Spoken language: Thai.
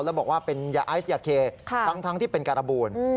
แล้วบอกว่าเป็นยาไอซ์ยาเคทั้งที่เป็นการบูล